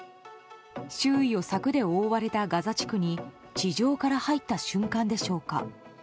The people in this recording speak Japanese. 周囲を柵で覆われたガザ地区に地上から入った瞬間でしょうか。